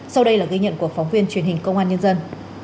sau đây là ghi nhận của phóng viên truyền hình công an nhân dân